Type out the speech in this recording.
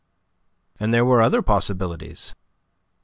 And there were other possibilities.